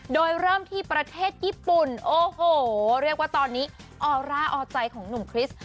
โดยเริ่มที่ประเทศญี่ปุ่นโอ้โหเรียกว่าตอนนี้ออร่าออใจของหนุ่มคริสต์